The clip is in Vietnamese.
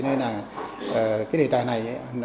nên đề tài này